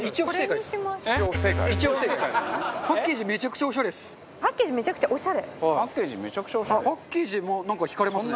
中丸：パッケージなんか惹かれますね。